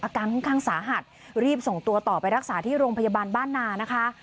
อาการค่อนข้างสาหัสรีบส่งตัวต่อไปรักษาที่โรงพยาบาลบ้านนานะคะ